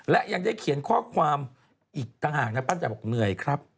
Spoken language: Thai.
และยังได้เขียนข้อความอีกต่างหากนะปั้นใจบอกเหนื่อยครับ